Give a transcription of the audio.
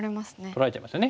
取られちゃいますよね。